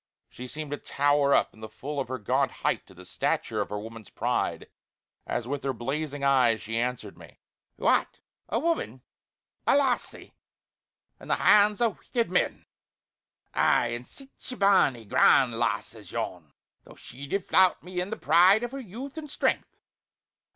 She seemed to tower up in the full of her gaunt height to the stature of her woman's pride, as with blazing eyes she answered me: "What! a woman, a lassie, in the hands o' wicked men! Aye an' sic a bonnie, gran' lassie as yon, though she did flout me in the pride of her youth and strength.